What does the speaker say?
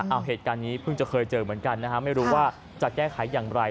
เอาเหตุการณ์นี้เพิ่งจะเคยเจอเหมือนกันนะฮะไม่รู้ว่าจะแก้ไขอย่างไร